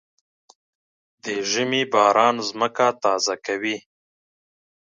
د ژمي باران ځمکه تازه کوي.